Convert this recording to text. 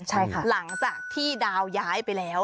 หลังจากที่ดาวย้ายไปแล้ว